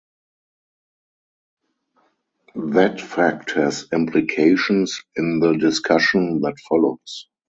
That fact has implications in the discussion that follows.